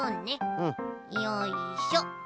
よいしょ。